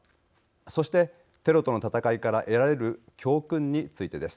そして、テロとの戦いから得られる教訓についてです。